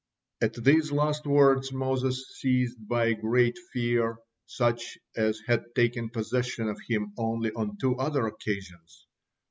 '" At these last words Moses seized by a great fear, such as had taken possession of him only on two other occasions.